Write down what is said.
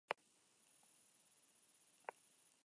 Existen dos tipos de tensión: la continua y la alterna.